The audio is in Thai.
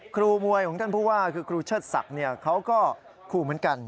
ครูมวยของท่านผู้ว่าคือครูเชิดศักดิ์เขาก็ขู่เหมือนกัน